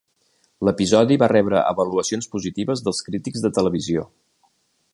L'episodi va rebre avaluacions positives dels crítics de televisió.